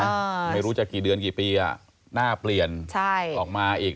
ไม่รู้จะกี่เดือนกี่ปีอ่ะหน้าเปลี่ยนใช่ออกมาอีก